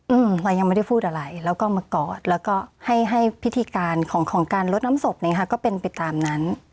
อืมพลอยยังไม่ได้พูดอะไรแล้วก็มากอดแล้วก็ให้ให้พิธีการของของการลดน้ำศพเนี้ยค่ะก็เป็นไปตามนั้น